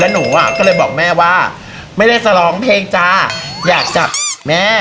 หนูอ่ะก็เลยบอกแม่ว่าไม่ได้จะร้องเพลงจ้าอยากจับแม่